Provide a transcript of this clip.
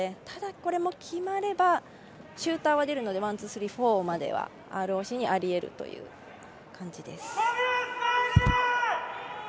ただ、これも決まればシューターは出るのでワン、ツー、スリー、フォーまでＲＯＣにあり得るという感じです。